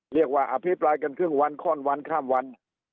เรียกว่าอภิปรายกันครึ่งวันข้อนวันข้ามวัน